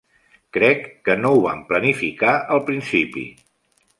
Crec que no ho vam planificar al principi.